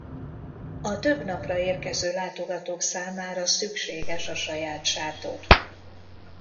A több napra érkező látogatók számára szükséges a saját sátor.